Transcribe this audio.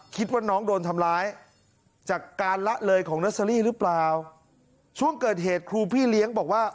คิดว่าน้องโดนทำร้ายจากการละเลยของเนอร์เซอรี่หรือเปล่าช่วงเกิดเหตุครูพี่เลี้ยงบอกว่า